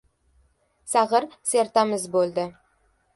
Sag‘ir sertamiz bo‘ldi.